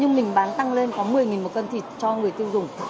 nhưng mình bán tăng lên có một mươi đồng một kg thịt cho người tiêu dùng